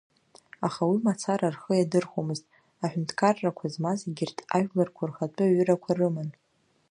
Аха уи мацара рхы иадырхәомызт аҳәынҭқаррақәа змаз егьырҭ ажәларқәа рхатәы ҩырақәа рыман.